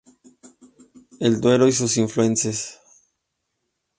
El Duero y sus afluentes.